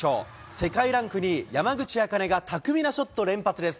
世界ランク２位、山口茜が巧みなショット連発です。